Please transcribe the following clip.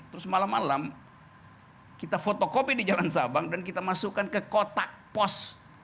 terus malam malam kita fotokopi di jalan sabang dan kita masukkan ke kotak pos